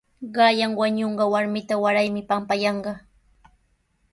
Qanyan wañunqan warmita waraymi pampayanqa.